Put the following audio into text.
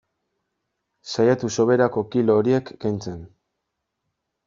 Saiatu soberako kilo horiek kentzen.